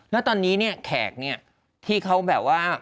แล้วตอนนี้แขกที่เขาแบบว่า